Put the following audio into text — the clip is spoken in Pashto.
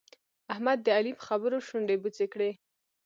احمد د علي په خبرو شونډې بوڅې کړې.